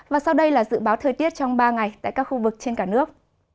và sau đây là dự báo thời tiết trong ba ngày tại các khu vực trên cả nước